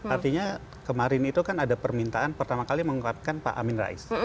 artinya kemarin itu kan ada permintaan pertama kali menguatkan pak amin rais